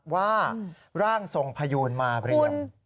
ว่าร่างทรงพยูนมาเรียม